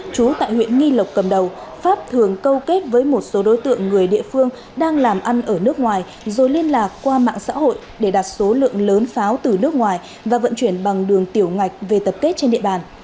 chú tại huyện nghi lộc cầm đầu pháp thường câu kết với một số đối tượng người địa phương đang làm ăn ở nước ngoài rồi liên lạc qua mạng xã hội để đặt số lượng lớn pháo từ nước ngoài và vận chuyển bằng đường tiểu ngạch về tập kết trên địa bàn